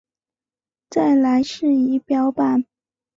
再来是仪表板